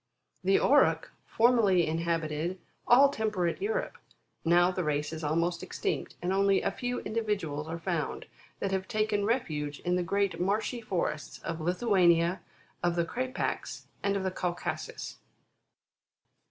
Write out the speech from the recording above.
The Auroch formerly inhabited all temperate Europe ; now the race is almost extinct, and only a few individuals are found, that have taken refuge in the great marshy forests of Lithuania, of the Krapacs, and of Caucasus.